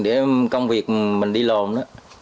để công việc mình đi lồn đó